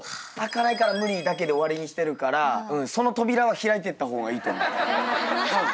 「辛いから無理」だけで終わりにしてるからその扉は開いてった方がいいと思う。